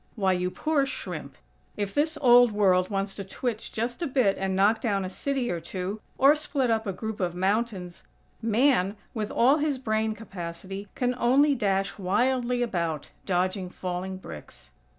Why, you poor shrimp! if this old World wants to twitch just a bit and knock down a city or two, or split up a group of mountains, Man, with all his brain capacity, can only dash wildly about, dodging falling bricks.